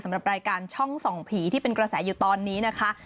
สำหรับรายการช่องส่องผีที่เป็นกระแสอยู่ตอนนี้นะคะ